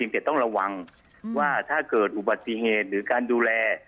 แต่ต้องระวังว่าถ้าเกิดอุบัติเหตุหรือการดูแล